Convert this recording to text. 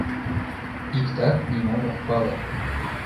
Иктат нимом ок пале.